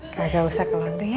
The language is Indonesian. gagal usah ke london ya